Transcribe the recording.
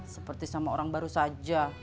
seperti sama orang baru saja